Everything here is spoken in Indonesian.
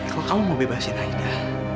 kalau kamu mau bebasin aida